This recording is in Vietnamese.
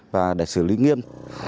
và để xử lý nghiêm